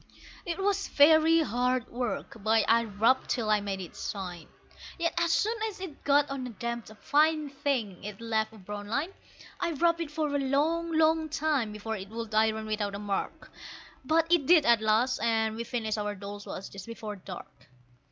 It was very hard work, but I rubbed till I made it shine; Yet as soon as it got on a damped "fine thing" it left a brown line. I rubbed it for a long, long time before it would iron without a mark, But it did at last, and we finished our Dolls' Wash just before dark.